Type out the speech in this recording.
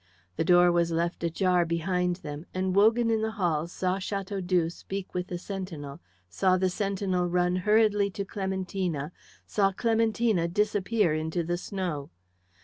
The door was left ajar behind them, and Wogan in the hall saw Chateaudoux speak with the sentinel, saw the sentinel run hurriedly to Clementina, saw Clementina disappear into the snow.